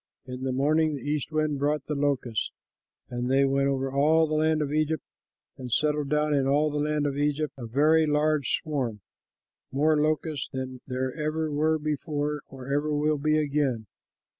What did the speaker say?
In the morning the east wind brought the locusts, and they went over all the land of Egypt and settled down in all the land of Egypt, a very large swarm, more locusts than there ever were before or ever will be again.